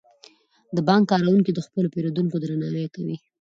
د بانک کارکوونکي د خپلو پیرودونکو درناوی کوي.